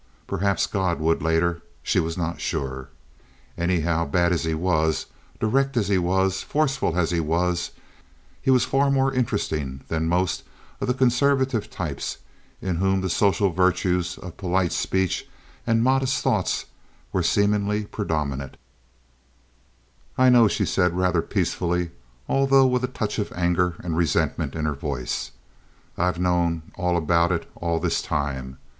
Perhaps God would, later—she was not sure. Anyhow, bad as he was, direct as he was, forceful as he was, he was far more interesting than most of the more conservative types in whom the social virtues of polite speech and modest thoughts were seemingly predominate. "I know," she said, rather peacefully, although with a touch of anger and resentment in her voice. "I've known all about it all this time.